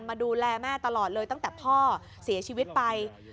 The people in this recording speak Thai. มาดูแลแม่ตลอดเลยตั้งแต่พ่อเสียชีวิตไป